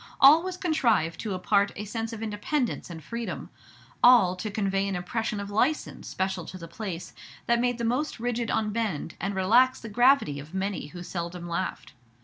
All was contrived to impart a sense of independence and freedom; all, to convey an impression of "license" special to the place, that made the most rigid unbend, and relaxed the gravity of many who seldom laughed.